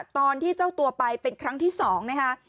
ตอนที่เจ้าตัวไปเป็นครั้งที่๒นะคะ